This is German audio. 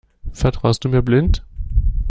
Vertraust du mir blind?